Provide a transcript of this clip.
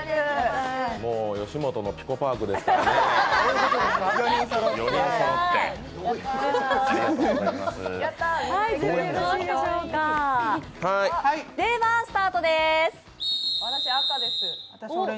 では、スタートです。